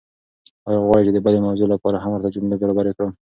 ایا غواړئ چې د بلې موضوع لپاره هم ورته جملې برابرې کړم؟